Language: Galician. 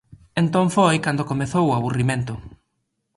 Entón foi cando comezou o aburrimento.